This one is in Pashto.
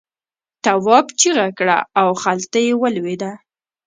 تواب چیغه کړه او خلته یې ولوېده.